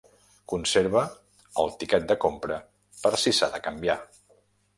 Conserva el tiquet de compra per si s'ha de canviar.